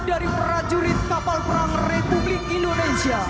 dari prajurit kapal perang republik indonesia